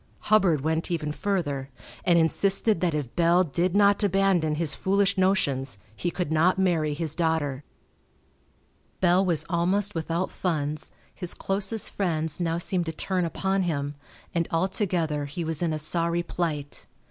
Hubbard went even further, and insisted that if Bell did not abandon his foolish notions he could not marry his daughter. Bell was almost without funds, his closest friends now seemed to turn upon him, and altogether he was in a sorry plight.